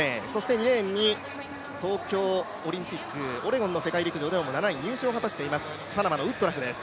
２レーンに東京オリンピック、オレゴンの世界陸上でも７位入賞を果たしています、パナマのウッドラフです。